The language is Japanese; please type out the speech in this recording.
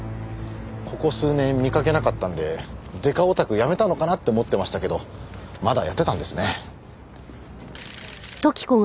ここ数年見かけなかったんでデカオタクやめたのかなって思ってましたけどまだやってたんですね。